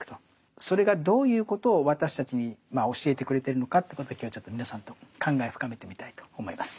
それがどういうことを私たちに教えてくれてるのかということを今日はちょっと皆さんと考えを深めてみたいと思います。